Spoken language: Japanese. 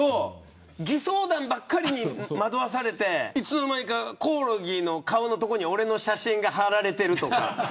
偽装弾ばっかりに惑わされていつの間にかコオロギの顔の所に俺の写真が張られているとか。